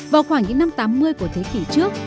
vào khoảng những năm tám mươi của thế kỷ trước